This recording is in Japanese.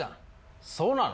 そうなの？